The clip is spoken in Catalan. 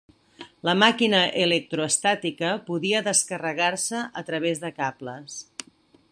La màquina electroestàtica podia descarregar-se a través de cables.